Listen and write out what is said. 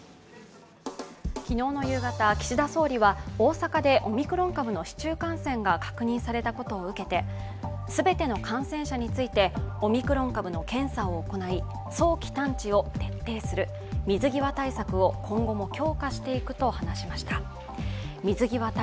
昨日の夕方、岸田総理は大阪でオミクロン株の市中感染が確認されたことを受けて、全ての感染者についてオミクロン株の検査を行い、早期探知を徹底する、水際対策を今後も強化していくと話しました。